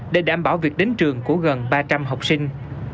để đảm bảo việc đến trường của gần ba trăm linh học sinh